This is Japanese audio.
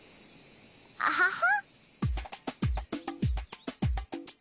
アハハ。